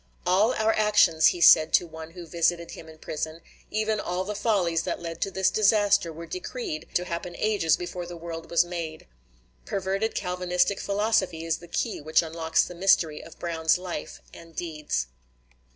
"All our actions," he said to one who visited him in prison, "even all the follies that led to this disaster, were decreed to happen ages before the world was made." Perverted Calvinistic philosophy is the key which unlocks the mystery of Brown's life and deeds.